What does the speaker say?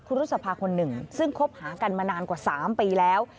รุษภาคนหนึ่งซึ่งคบหากันมานานกว่า๓ปีแล้ว